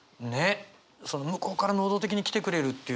向こうから能動的に来てくれるっていう。